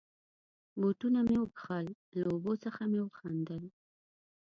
بوټونه مې و کښل، له اوبو څخه مې و څنډل.